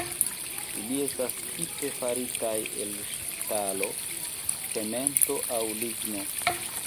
Ili estas tipe faritaj el ŝtalo, cemento aŭ ligno.